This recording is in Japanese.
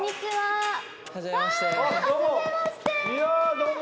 どうも！